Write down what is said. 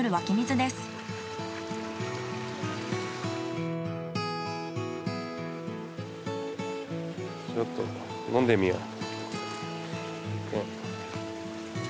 ちょっと飲んでみよう。